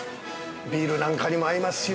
ビールなんかにも合いますよ。